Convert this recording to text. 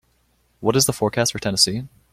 what is the forecast for Tennessee